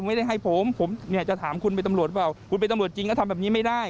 ไม่ได้ให้ผมผมเนี่ยจะถามคุณเป็นตำรวจหรือเปล่าคุณเป็นตำรวจจริงก็ทำแบบนี้ไม่ได้